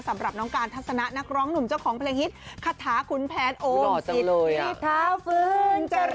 สำหรับน้องการทัศนะนักร้องหนุ่มเจ้าของเพลงฮิตคาถาขุนแผนโอมสิทธิเท้าฟื้น